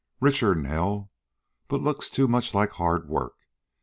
"Richer 'n hell, but looks too much like hard work.